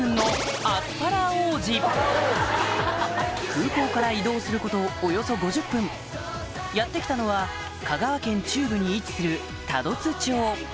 空港から移動することおよそ５０分やって来たのは香川県中部に位置する多度津町